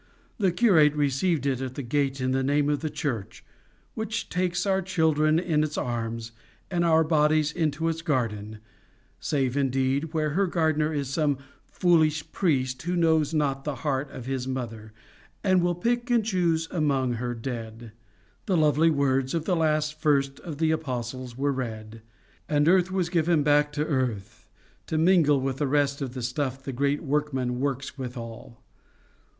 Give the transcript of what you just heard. The curate received it at the gate in the name of the church which takes our children in its arms, and our bodies into its garden save indeed where her gardener is some foolish priest who knows not the heart of his mother, and will pick and choose among her dead; the lovely words of the last first of the apostles, were read; and earth was given back to earth, to mingle with the rest of the stuff the great workman works withal.